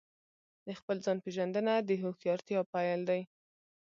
د خپل ځان پېژندنه د هوښیارتیا پیل دی.